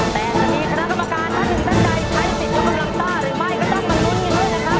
แต่จะมีคณะกรรมการถ้าถึงตั้งใจใช้สิทธิ์กำลังต้าหรือไม่ก็จะสนุนกันด้วยนะครับ